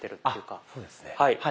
あっそうですね。